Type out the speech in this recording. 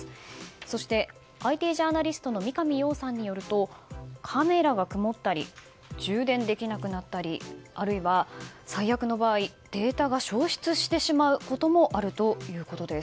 そして、ＩＴジャーナリストの三上洋さんによるとカメラが曇ったり充電できなくなったりあるいは最悪の場合データが消失してしまうこともあるということです。